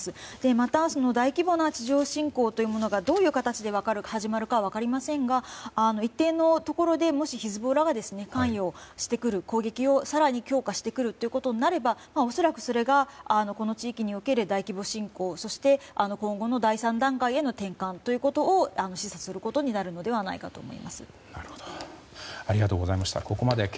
また大規模な地上作戦というものがどういう形で始まるかは分かりませんが一定のところでもし、ヒズボラが関与してくる、攻撃を更に強化してくるということになると恐らくそれが、この地域における大規模侵攻そして今後の第３段階への転換を示唆することになるのではないかと思います。